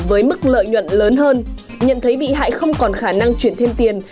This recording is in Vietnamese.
với mức lợi nhuận lớn hơn nhận thấy bị hại không còn khả năng chuyển thêm tiền